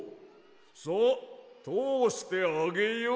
さあとおしてあげよう。